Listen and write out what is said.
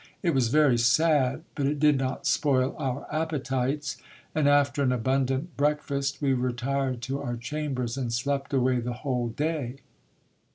It was very sad ; but it did not spoil our appetites, and, after an abundant breakfast, we retired to our chambers, and slept away the whole day.